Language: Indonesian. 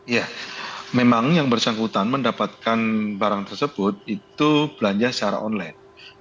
ya memang yang bersangkutan mendapatkan barang tersebut itu belanja secara online